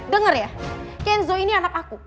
dengar ya kenzo ini anak aku